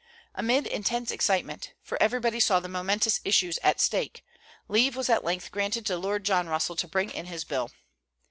Amid intense excitement, for everybody saw the momentous issues at stake, leave was at length granted to Lord John Russell to bring in his bill.